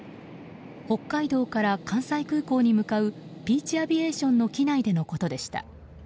北海道から関西空港に向かうピーチ・アビエーションの機内でのことでした。